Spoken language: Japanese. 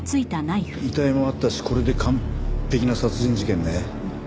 遺体もあったしこれで完璧な殺人事件ね。